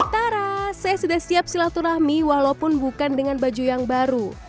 tara saya sudah siap silaturahmi walaupun bukan dengan baju yang baru